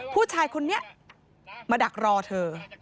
ผู้ชายคนนี้มาดักรอเธอ